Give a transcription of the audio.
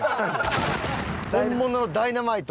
本物のダイナマイト。